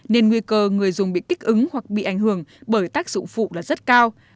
nên nguy cơ người dùng bị kích ứng hoặc bị ảnh hưởng bởi tác dụng phụ là rất cao